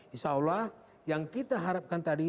insya allah yang kita harapkan tadi